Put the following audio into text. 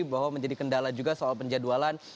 bahwa menjadi kendala juga soal penjadwalan